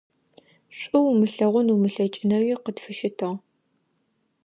ШӀу умылъэгъун умылъэкӀынэуи къытфыщытыгъ.